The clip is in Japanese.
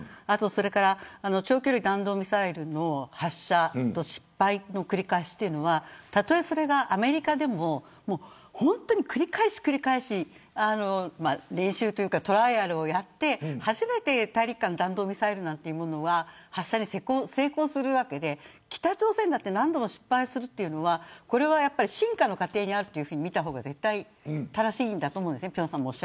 それから長距離弾道ミサイルの発射そして失敗の繰り返しというのはそれが、例えアメリカでも本当に繰り返し繰り返しトライアルをやって初めて大陸間弾道ミサイルなんていうものは発射に成功するわけで北朝鮮も何度も失敗するというのは進化の過程にあると見た方が正しいと思います。